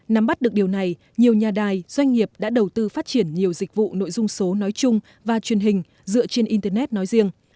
nắm bắt được điều này nhiều nhà đài doanh nghiệp đã đầu tư phát triển nhiều dịch vụ nội dung số nói chung và truyền hình dựa trên internet nói riêng